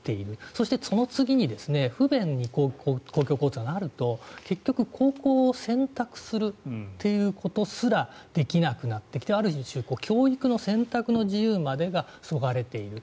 そして、その次に不便に公共交通がなると結局、高校を選択するということすらできなくなってきてある種、教育の選択の自由までそがれている。